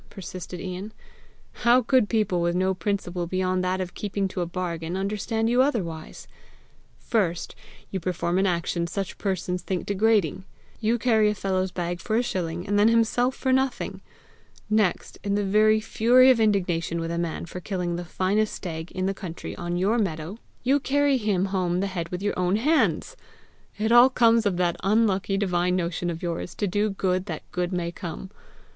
persisted Ian. "How could people with no principle beyond that of keeping to a bargain, understand you otherwise! First, you perform an action such persons think degrading: you carry a fellow's bag for a shilling, and then himself for nothing! Next, in the very fury of indignation with a man for killing the finest stag in the country on your meadow, you carry him home the head with your own hands! It all comes of that unlucky divine motion of yours to do good that good may come!